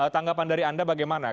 tanggapan dari anda bagaimana